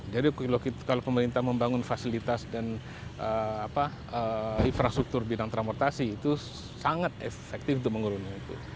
jadi kalau pemerintah membangun fasilitas dan infrastruktur bidang transportasi itu sangat efektif untuk mengurungi itu